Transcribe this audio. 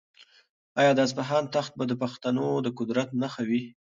آیا د اصفهان تخت به د پښتنو د قدرت نښه وي؟